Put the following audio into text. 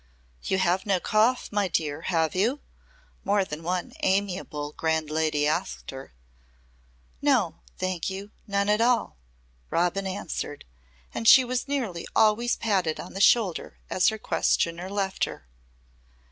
"You have no cough, my dear, have you?" more than one amiable grand lady asked her. "No, thank you none at all," Robin answered and she was nearly always patted on the shoulder as her questioner left her.